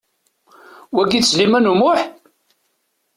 Wagi d Sliman U Muḥ?